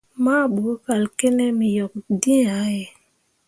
Mahbo kal kǝne me yok dǝ̃ǝ̃ yah ye.